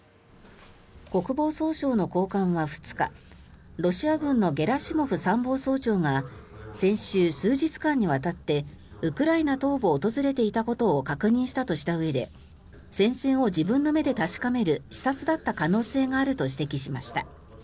国防総省の高官は２日ロシア軍のゲラシモフ参謀総長が先週、数日間にわたってウクライナ東部を訪れていたことを確認したとしたうえで戦線を自分の目で確かめる視察だった可能性があると指摘しました。